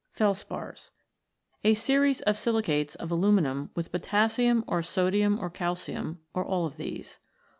Felspars. A series of silicates of aluminium with potassium or sodium or calcium, or all of these.